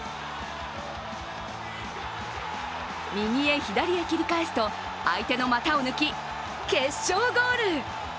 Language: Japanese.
右へ左へ切り返すと、相手の股を抜き決勝ゴール。